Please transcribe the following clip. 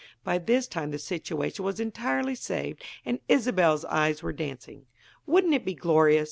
By this time the situation was entirely saved and Isobel's eyes were dancing. "Wouldn't it be glorious?"